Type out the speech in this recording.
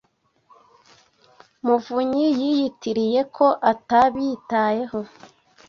muvunyi yiyitiriye ko atabitayeho.